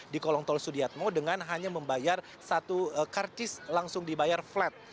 di kolong tol sudiatmo dengan hanya membayar satu karcis langsung dibayar flat